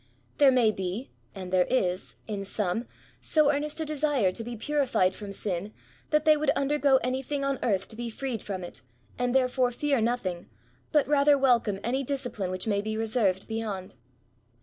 There maybe — and there is — ^in some, so earnest a desire to be purified from sin, that they would undergo anything on earth to be freed from it, and therefore fear nothing, but rather welcome any discipline which may be reserved beyond.